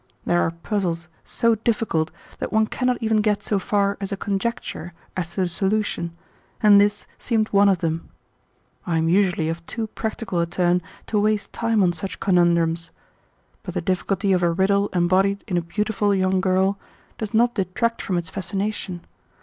There are puzzles so difficult that one cannot even get so far as a conjecture as to the solution, and this seemed one of them. I am usually of too practical a turn to waste time on such conundrums; but the difficulty of a riddle embodied in a beautiful young girl does not detract from its fascination.